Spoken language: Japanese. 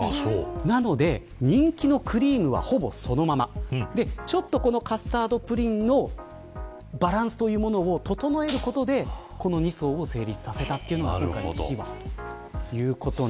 なので人気のクリームは、ほぼそのままちょっとカスタードプリンのバランスというもの整えることでこの２層を成立させたということが秘話です。